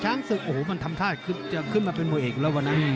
ศึกโอ้โหมันทำท่าคือจะขึ้นมาเป็นมวยเอกแล้ววันนั้น